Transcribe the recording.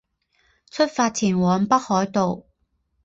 出发前往北海道